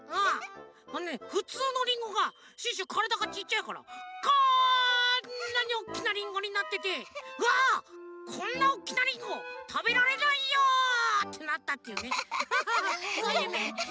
あのねふつうのリンゴがシュッシュからだがちっちゃいからこんなにおっきなリンゴになってて「うわっこんなおっきなリンゴたべられないよ！」ってなったっていうねそういうゆめ。